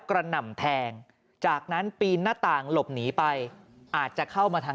หน่ำแทงจากนั้นปีนหน้าต่างหลบหนีไปอาจจะเข้ามาทาง